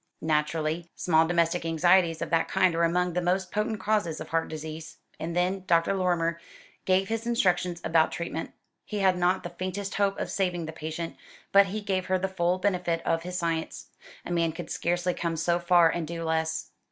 "Naturally. Small domestic anxieties of that kind are among the most potent causes of heart disease." And then Dr. Lorrimer gave his instructions about treatment. He had not the faintest hope of saving the patient, but he gave her the full benefit of his science. A man could scarcely come so far and do less.